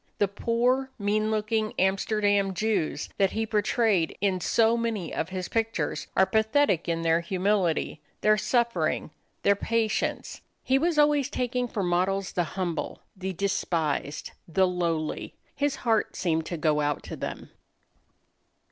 The poor, mean looking Amsterdam Jews that he portrayed in so many of his pictures are pathetic in their humility, their suffering, their patience. He was always taking for models the humble, the despised, the lowly. His heart seemed to go out to them.